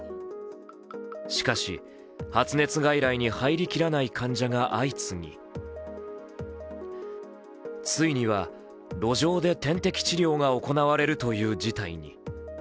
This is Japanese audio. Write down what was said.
しかし、発熱外来に入りきらない患者が相次ぎついには、路上で点滴治療が行われるという事態に。